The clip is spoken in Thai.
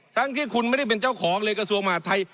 ทั้งที่คุณไม่ได้เป็นเจ้าของเลยกระทรวงมหาดไทย